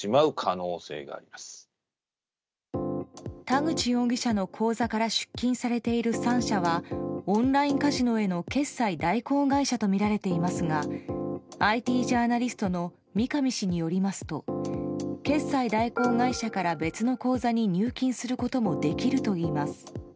田口容疑者の口座から出金されている３社はオンラインカジノへの決済代行会社とみられていますがＩＴジャーナリストの三上氏によりますと決済代行会社から別の口座に入金することもできるといいます。